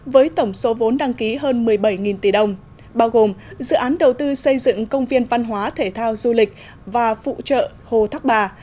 với tổng số vốn đăng ký hơn một mươi bảy tỷ đồng bao gồm dự án đầu tư xây dựng công viên văn hóa thể thao du lịch và phụ trợ hồ thác bà